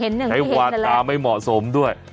เห็นหนึ่งไม่เห็นหนึ่งใช้วาดตามไม่เหมาะสมด้วย